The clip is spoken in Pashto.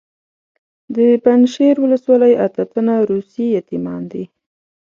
د پنجشیر ولسوالۍ اته تنه روسي یتیمان دي.